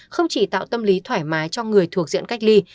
không chỉ tạo tâm lý thoải mái cho người thuộc diện cách ly